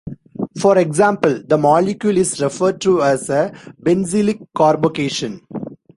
For example, the molecule, is referred to as a "benzylic" carbocation.